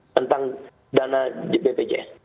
tentang dana bpjs